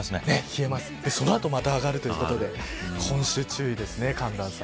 そのあとまた上がるということで今週注意ですね寒暖差。